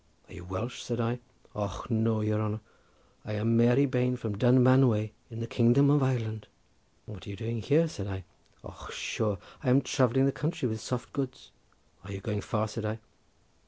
"Are you Welsh?" said I. "Och no! your honour; I am Mary Bane from Dunmanway in the kingdom of Ireland." "And what are you doing here?" said I. "Och sure! I am travelling the country with soft goods." "Are you going far?" said I.